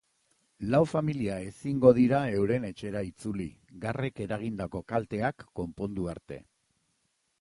Lau familia ezingo dira euren etxera itzuli, garrek eragindako kalteak konpondu arte.